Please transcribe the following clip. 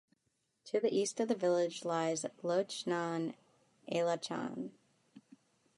To the east of the village lies Loch nan Ealachan.